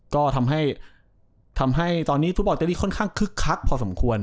ก็ทำให้ตอนนี้ฟุตบอลเตอรี่ค่อนข้างคึกคักพอสมควร